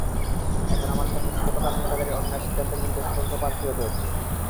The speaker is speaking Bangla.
এখন আমাকে সংগত কারণে তাঁদের অন্যায় সিদ্ধান্তের বিরুদ্ধে স্বতন্ত্র প্রার্থী হতে হচ্ছে।